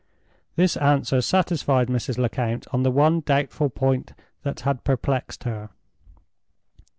This answer satisfied Mrs. Lecount on the one doubtful point that had perplexed her.